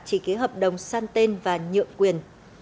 chỉ ký hợp đồng san tên và nhượng quyền